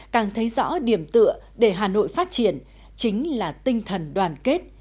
càng thấy rõ điểm tựa để hà nội phát triển chính là tinh thần đoàn kết